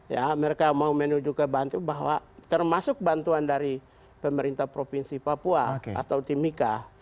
ya mereka mau menuju ke bantu bahwa termasuk bantuan dari pemerintah provinsi papua atau timika